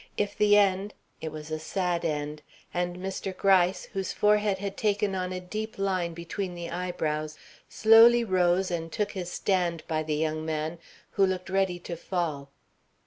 If the end, it was a sad end, and Mr. Gryce, whose forehead had taken on a deep line between the eyebrows, slowly rose and took his stand by the young man, who looked ready to fall.